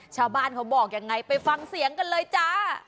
ชาวบ้านเขาบอกยังไงไปฟังเสียงกันเลยจ้า